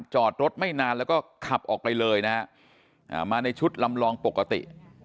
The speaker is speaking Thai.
จอดรถไม่นานแล้วก็ขับออกไปเลยนะฮะมาในชุดลำลองปกติ